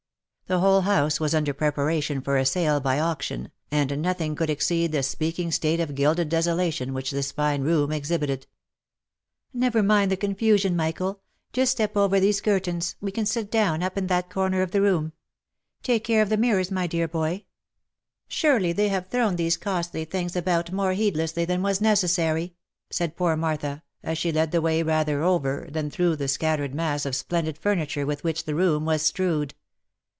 The whole house was under preparation for a sale by auction, and nothing could exceed the speaking state of gilded deso lation which this fine room exhibited. Never mind the confusion, Michael ! Just step over these curtains — we can sit down, up in that corner of the room — take care of the mirrors, my dear boy ! Surely they have thrown these costly things about more heedlessly than was necessary !" said poor Martha, as she led the way rather over, then through the scattered mass of splendid furniture with which the room was strewed.